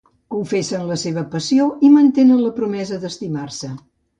Confessen la seva passió i mantenen la promesa d'estimar-se.